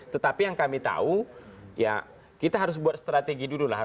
tetapi yang kami tahu ya kita harus buat strategi dulu lah